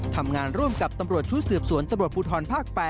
ทำงานร่วมกับตำรวจชุดสืบสวนตำรวจภูทรภาค๘